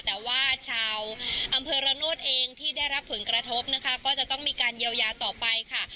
แต่ว่าชาวอำเภอระโนธเองที่ได้รับผลกระทบนะคะก็จะต้องมีการเยียวยาต่อไปค่ะ